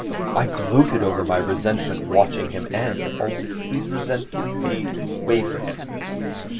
I gloated over my resentment watching him and ... always resentfully made way for him.